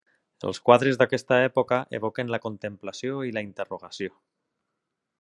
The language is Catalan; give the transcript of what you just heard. Els quadres d'aquesta època evoquen la contemplació i la interrogació.